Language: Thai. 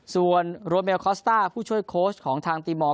ส่วนโรเมลคอสต้าผู้ช่วยโค้ชของทางตีมอล